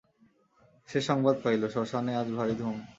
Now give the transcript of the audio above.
সে সংবাদ পাইল, শ্মশানে আজ ভারি ধুম।